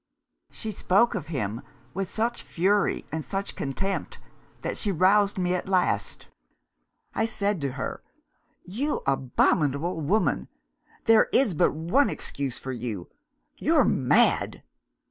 She spoke of him, with such fury and such contempt, that she roused me at last. I said to her, 'You abominable woman, there is but one excuse for you you're mad!